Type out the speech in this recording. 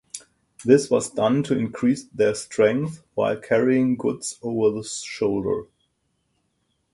This was done to increase their strength while carrying goods over the shoulder.